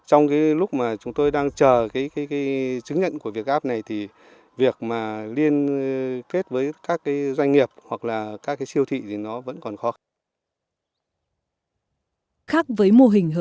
trong cái lúc mà chúng tôi đang chờ cái chứng nhận của việt gáp này thì việc mà liên kết với các doanh nghiệp hoặc là các siêu thị thì nó vẫn còn khó khăn